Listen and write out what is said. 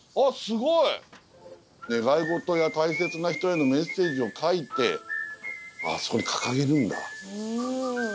願い事や大切な人へのメッセージを書いてあそこに掲げるんだ。